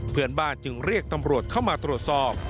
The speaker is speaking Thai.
เพื่อนบ้านจึงเรียกตำรวจเข้ามาตรวจสอบ